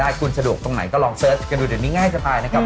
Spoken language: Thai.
ได้คุณสะดวกตรงไหนก็ลองเสิร์ชกันดูเดี๋ยวนี้ง่ายสบายนะครับ